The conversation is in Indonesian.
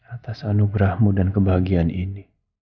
atas anugerahmu dan kebahagiaan ini